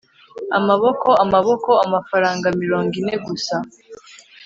amaboko! amaboko! amafaranga mirongo ine gusa